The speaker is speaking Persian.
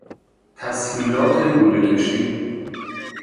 تسهیلات لوله کشی